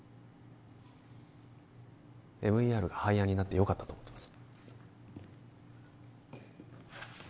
ＭＥＲが廃案になってよかったと思ってます